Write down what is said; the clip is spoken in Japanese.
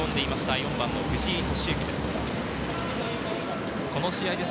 ４番・藤井利之です。